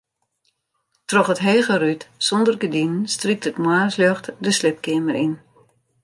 Troch it hege rút sûnder gerdinen strykt it moarnsljocht de sliepkeamer yn.